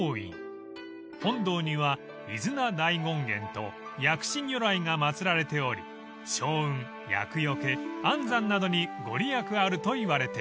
［本堂には飯縄大権現と薬師如来が祭られており勝運厄除け安産などに御利益あるといわれています］